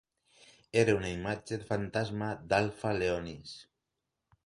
Era una imatge fantasma d'Alpha Leonis.